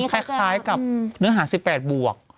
ก็จะเป็นคล้ายกับเนื้อหา๑๘บวก